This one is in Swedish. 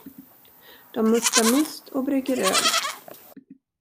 De mustar must och brygger öl.